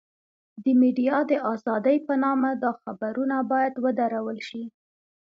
د ميډيا د ازادۍ په نامه دا خبرونه بايد ودرول شي.